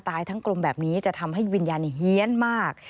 ทั้งกลมแบบนี้จะทำให้วิญญาณเฮียนมาก